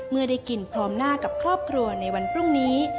เมื่อได้กินพร้อมหน้ากับครอบครัวในวันพรุ่งนี้